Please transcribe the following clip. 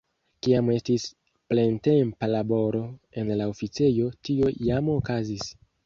Kiam estis plentempa laboro en la oficejo, tio jam okazis.